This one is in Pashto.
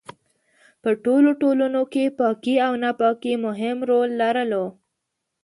په ټولو ټولنو کې پاکي او ناپاکي مهم رول لرلو.